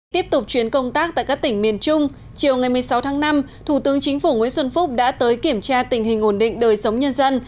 tiếp tục chuyến công tác tại các tỉnh miền trung chiều ngày một mươi sáu tháng năm thủ tướng chính phủ nguyễn xuân phúc đã tới kiểm tra tình hình ổn định đời sống nhân dân